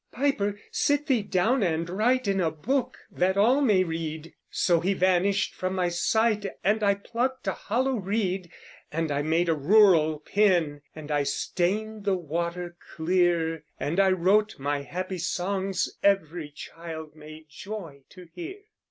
"Piper, sit thee down and write In a book, that all may read;" So he vanished from my sight, And I plucked a hollow reed, And I made a rural pen, And I stained the water clear, And I wrote my happy songs Every child may joy to hear.